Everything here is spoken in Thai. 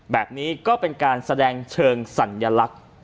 แบบนี้ก็เป็นการแสดงเชิงสัญลักษณ์